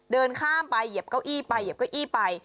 เดินข้ามไปเหยียบเก้าอี้ไปเหยียบเก้าอี้ไป